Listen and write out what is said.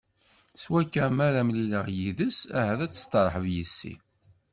S wakka, mi ara mlileɣ yid-s, ahat ad isteṛḥeb yis-i.